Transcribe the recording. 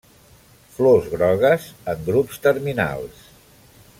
Flors grogues en grups terminals.